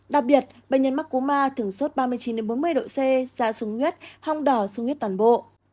đặc biệt bệnh nhân mắc cú ma thường sốt ba mươi chín bốn mươi độ c dạ súng huyết hong đỏ sung huyết toàn bộ